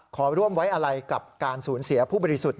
ขอร่วมไว้อะไรกับการสูญเสียผู้บริสุทธิ์